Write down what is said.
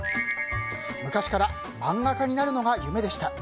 昔から漫画家になるのが夢でした。